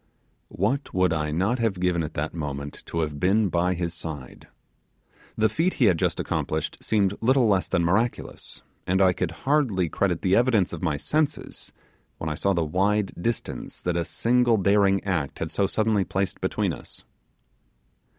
What would I not have given at that moment to have been by his side. The feat he had just accomplished seemed little less than miraculous, and I could hardly credit the evidence of my senses when I saw the wide distance that a single daring act had so suddenly placed between us.